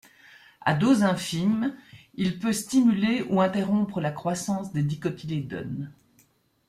À doses infimes, il peut stimuler ou interrompre la croissance des dicotylédones.